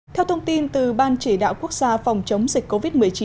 theo thông tin từ ban chỉ đạo quốc gia phòng chống dịch covid một mươi chín